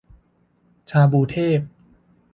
ชาบูเทพ